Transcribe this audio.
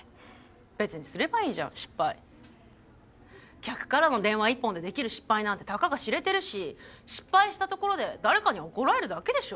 客からの電話一本でできる失敗なんてたかが知れてるし失敗したところで誰かに怒られるだけでしょ？